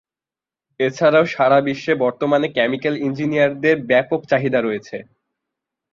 এছাড়াও সারা বিশ্বে বর্তমানে কেমিক্যাল ইঞ্জিনিয়ারদের ব্যাপক চাহিদা রয়েছে।